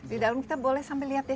di dalam kita boleh sampai lihat ya